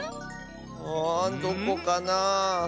あどこかな？